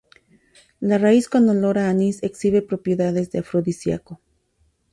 La raíz con olor a anís exhibe propiedades de afrodisíaco.